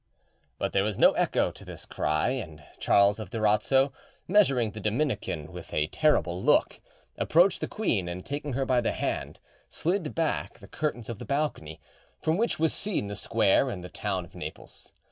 But there was no echo to his cry, and Charles of Durazzo, measuring the Dominican with a terrible look, approached the queen, and taking her by the hand, slid back the curtains of the balcony, from which was seen the square and the town of Naples.